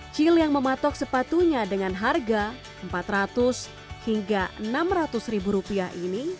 cil yang mematok sepatunya dengan harga empat ratus hingga enam ratus ribu rupiah ini